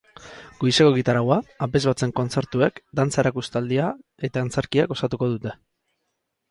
Goizeko egitaraua, abesbatzen kontzertuek, dantza erakustaldia eta antzerkiek osatuko dute.